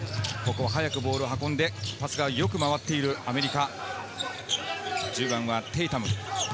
早くボールを運んでパスがよく回っているアメリカ。